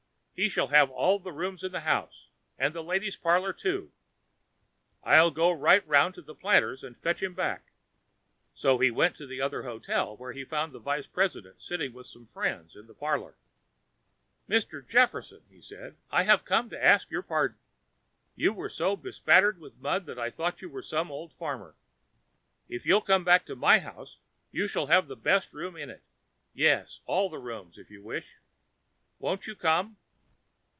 He shall have all the rooms in the house, and the ladies' parlor, too, I'll go right round to the Planters' and fetch him back." So he went to the other hotel, where he found the vice president sitting with some friends in the parlor. "Mr. Jefferson," he said, "I have come to ask your pardon. You were so bespattered with mud that I thought you were some old farmer. If you'll come back to my house, you shall have the best room in it yes, all the rooms if you wish. Won't you come?"